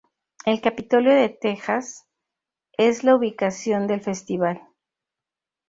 El Capitolio de Texas es la ubicación del festival.